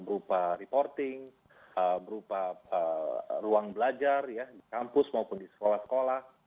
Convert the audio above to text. berupa reporting berupa ruang belajar ya di kampus maupun di sekolah sekolah